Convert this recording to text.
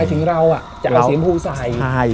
ไม่ถึงเราจะเอาสีชมพูใส่เอ๊ะเอ๊ะเอ๊ะเอ๊ะเอ๊ะเอ๊ะเอ๊ะ